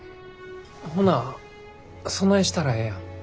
ほなそないしたらええやん。